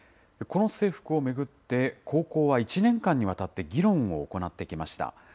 この制服を巡って、高校は１年間にわたって議論を行ってきました。